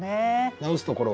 直すところは？